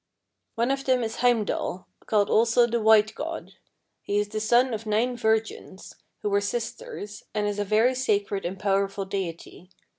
28. "One of them is Heimdall, called also the White God. He is the son of nine virgins, who were sisters, and is a very sacred and powerful deity.